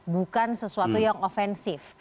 bukan sesuatu yang offensif